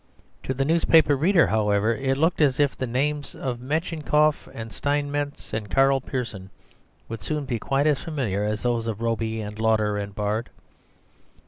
To the newspaper reader, however, it looked as if the names of Metchnikoff and Steinmetz and Karl Pearson would soon be quite as familiar as those of Robey and Lauder and Bard.